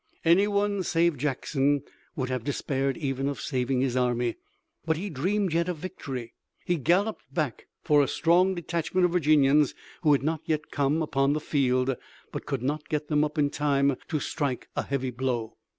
Anyone save Jackson would have despaired even of saving his army. But he dreamed yet of victory. He galloped back for a strong detachment of Virginians who had not yet come upon the field, but could not get them up in time to strike a heavy blow.